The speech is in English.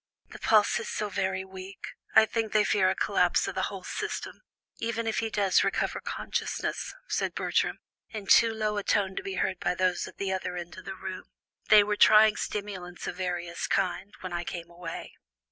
"The pulse is so very weak; I think they fear a collapse of the whole system, even if he does recover consciousness," said Bertram, in too low a tone to be heard by those at the other end of the room. "They were trying stimulants of various kinds when I came away."